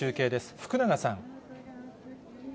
福永さん。